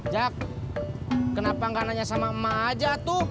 jak kenapa nggak nanya sama emak aja tuh